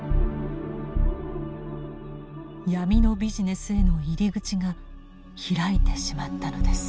闇のビジネスへの入り口が開いてしまったのです。